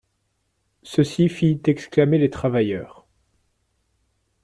Ceci fit exclamer les travailleurs.